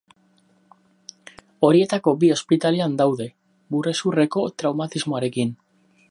Horietako bi ospitalean daude, burezurreko traumatismoarekin.